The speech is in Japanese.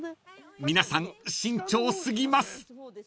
［皆さん慎重過ぎます！］